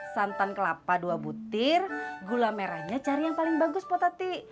santan kelapa dua butir gula merahnya cari yang paling bagus potati